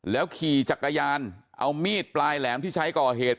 ขี่จักรยานเอามีดปลายแหลมที่ใช้ก่อเหตุ